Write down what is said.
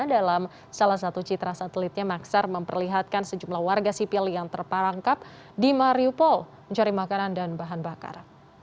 dalam salah satu citra satelitnya maksar memperlihatkan sejumlah warga sipil yang terparangkap di mariupol mencari makanan dan bahan bakar